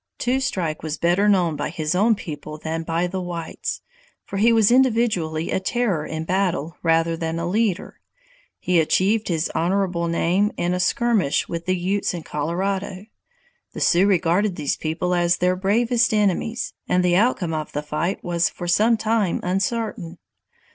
Two Strike was better known by his own people than by the whites, for he was individually a terror in battle rather than a leader. He achieved his honorable name in a skirmish with the Utes in Colorado. The Sioux regarded these people as their bravest enemies, and the outcome of the fight was for some time uncertain.